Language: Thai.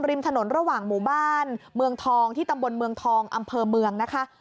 ริมถนนระหว่างหมู่บ้านเมืองทองที่ตำบลเมืองทองอำเภอเมืองนะคะ